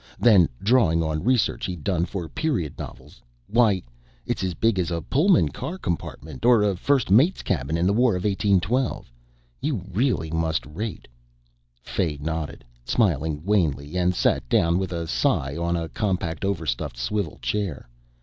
Then, drawing on research he'd done for period novels, "Why, it's as big as a Pullman car compartment, or a first mate's cabin in the War of 1812. You really must rate." Fay nodded, smiled wanly and sat down with a sigh on a compact overstuffed swivel chair.